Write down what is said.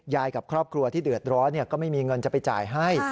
กับครอบครัวที่เดือดร้อนก็ไม่มีเงินจะไปจ่ายให้